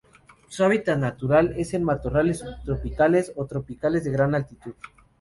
Su hábitat natural es en matorrales subtropicales o tropicales de gran altitud.